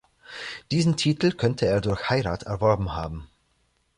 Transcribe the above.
Diesen Titel könnte er durch Heirat erworben haben.